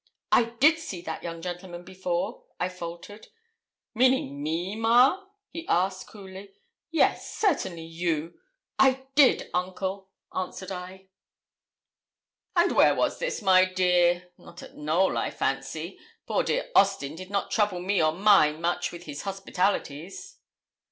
'I did see that young gentleman before,' I faltered. 'Meaning me, ma'am?' he asked, coolly. 'Yes certainly you. I did, uncle,' answered I. 'And where was it, my dear? Not at Knowl, I fancy. Poor dear Austin did not trouble me or mine much with his hospitalities.'